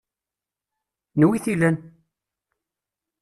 N wi-t-ilan?